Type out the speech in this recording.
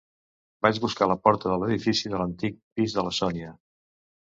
Vaig buscar la porta de l'edifici de l'antic pis de la Sònia.